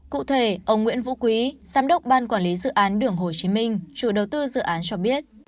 cụ thể ông nguyễn vũ quý giám đốc ban quản lý dự án đường hồ chí minh chủ đầu tư dự án cho biết